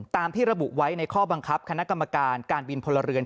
ที่ระบุไว้ในข้อบังคับคณะกรรมการการบินพลเรือน